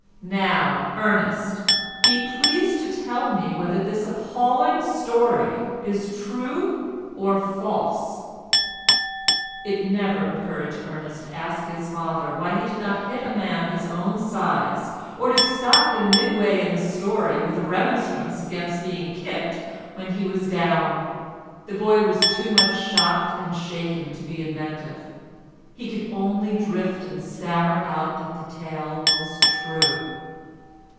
Now, Ernest, be pleased to tell me whether this appalling story is true or false?" It never occurred to Ernest to ask his father why he did not hit a man his own size, or to stop him midway in the story with a remonstrance against being kicked when he was down. The boy was too much shocked and shaken to be inventive; he could only drift and stammer out that the tale was true.